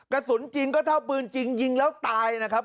กระสุนจริงก็เท่าปืนจริงยิงแล้วตายนะครับ